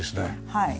はい。